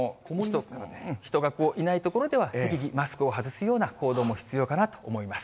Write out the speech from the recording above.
人がいない所では、適宜マスクを外すような行動も必要かなと思います。